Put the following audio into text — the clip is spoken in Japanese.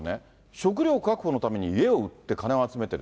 食糧確保のために家を売って、金を集めてる。